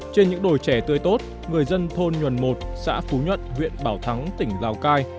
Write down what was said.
trên những đồi trẻ tươi tốt người dân thôn nhuần một xã phú nhuận huyện bảo thắng tỉnh lào cai